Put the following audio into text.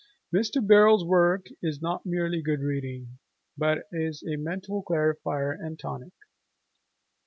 Mr. Birrell's work is not merely good reading, but is a mental clarifier and tonic.